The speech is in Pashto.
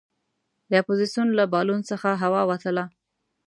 د اپوزیسون له بالون څخه هوا ووتله.